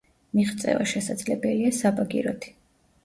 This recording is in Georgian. მიღწევა შესაძლებელია საბაგიროთი.